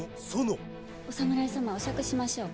お侍様お酌しましょうか。